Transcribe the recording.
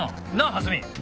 蓮見。